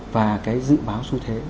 và cái dự báo xu thế